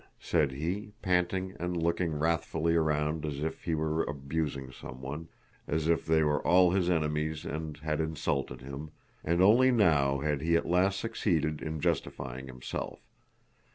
said he, panting and looking wrathfully around as if he were abusing someone, as if they were all his enemies and had insulted him, and only now had he at last succeeded in justifying himself.